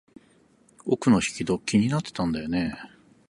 奥の引き戸、気になってたんだよね。